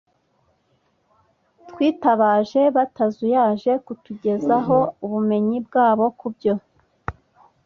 twitabaje, batazuyaje kutugezaho ubumenyi bwabo ku byo